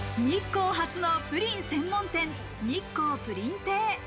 日光初のプリン専門店・日光ぷりん亭。